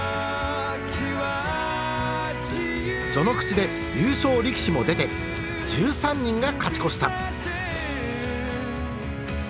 序ノ口で優勝力士も出て１３人が勝ち越した。